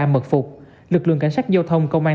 mật phục lực lượng cảnh sát giao thông công an